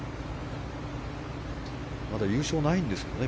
まだ優勝ないんですね。